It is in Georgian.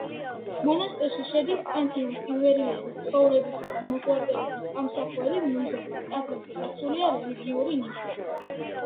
მონასტერში შედის ანთიმოზ ივერიელის ცხოვრებისა და მოღვაწეობის ამსახველი მუზეუმი, აგრეთვე დაცულია რელიგიური ნივთები.